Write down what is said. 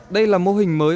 đây là mô hình mới